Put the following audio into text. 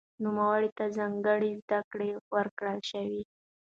نوموړي ته ځانګړې زده کړې ورکړل شوې.